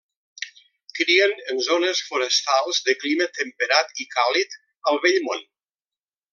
Crien en zones forestals de clima temperat i càlid, al Vell Món.